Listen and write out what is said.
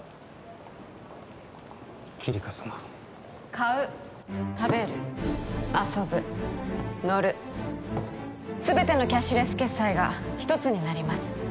買う食べる遊ぶ乗る全てのキャッシュレス決済が一つになります